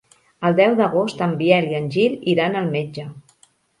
El deu d'agost en Biel i en Gil iran al metge.